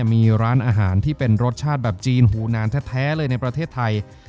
มีร้านอาหารที่เป็นรสชาติแบบจีนหูนานแท้เลยในประเทศไทย